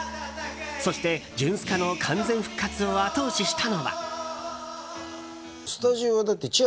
そしてジュンスカの完全復活を後押ししたのは。